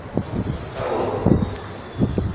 Aweḍ.